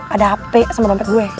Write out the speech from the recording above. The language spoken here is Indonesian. ada hp sama dompet gue